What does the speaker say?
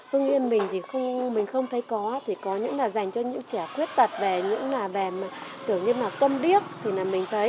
hương yên mình thì mình không thấy có thì có những là dành cho những trẻ quyết tật về những là về tưởng như là cơm điếc thì là mình thấy